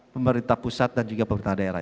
pemerintah pusat dan juga pemerintah daerah